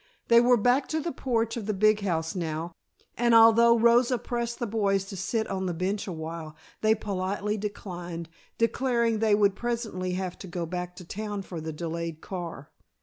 They were back to the porch of the big house now, and although Rosa pressed the boys to sit on the bench awhile, they politely declined, declaring they would presently have to go back to town for the delayed car.